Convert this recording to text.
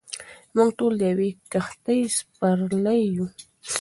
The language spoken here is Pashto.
موږ ټول د یوې کښتۍ سپرلۍ یو.